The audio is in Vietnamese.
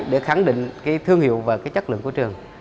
để khẳng định cái thương hiệu và cái chất lượng của trường